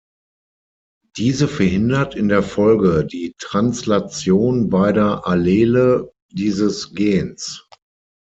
Diese verhindert in der Folge die Translation beider Allele dieses Gens.